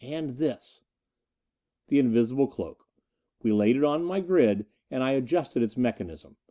And this " The invisible cloak. We laid it on my grid, and I adjusted its mechanism.